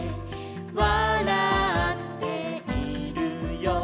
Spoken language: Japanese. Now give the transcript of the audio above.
「わらっているよ」